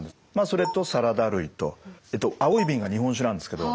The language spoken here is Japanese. それとサラダ類と青い瓶が日本酒なんですけど。